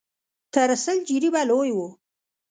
تر سل جريبه لوى و.